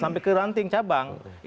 sampai ke ranting cabang